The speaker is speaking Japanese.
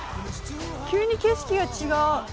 急に景色が違う。